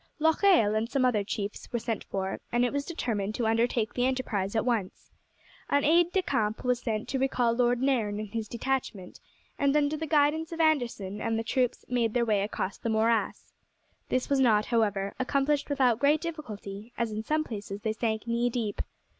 Locheil and some other chiefs were sent for, and it was determined to undertake the enterprise at once. An aide de camp was sent to recall Lord Nairn and his detachment, and under the guidance of Anderson the troops made their way across the morass. This was not, however, accomplished without great difficulty, as in some places they sank knee deep.